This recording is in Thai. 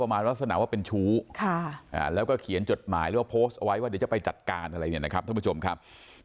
ลักษณะว่าเป็นชู้แล้วก็เขียนจดหมายหรือโพสต์เอาไว้ว่าเดี๋ยวจะไปจัดการอะไรแบบนี้นะครับ